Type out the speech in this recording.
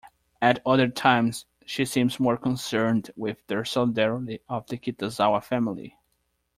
At other times, she seems more concerned with the solidarity of the Kitazawa family.